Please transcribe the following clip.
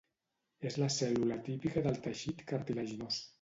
És la cèl·lula típica del teixit cartilaginós.